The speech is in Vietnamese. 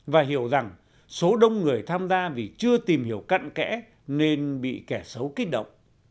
và hiểu rằng số đông người tham gia vì chưa tìm hiểu cận kẽ nên bị kẻ xấu kích động